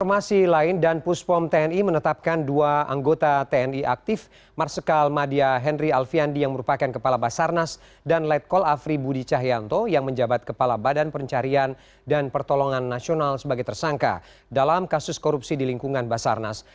informasi lain dan puspom tni menetapkan dua anggota tni aktif marsikal madia henry alfiandi yang merupakan kepala basarnas dan letkol afri budi cahyanto yang menjabat kepala badan pencarian dan pertolongan nasional sebagai tersangka dalam kasus korupsi di lingkungan basarnas